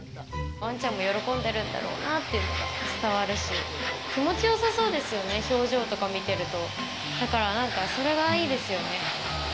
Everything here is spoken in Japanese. わんちゃんも喜んでるんだろうなっていうのが伝わるし、気持ちよさそうですよね、表情とか見てると、だからなんかそれがいいですよね。